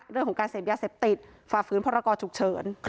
เรื่องของการเสพยาเสพติดฝ่าฝืนพรกรฉุกเฉิน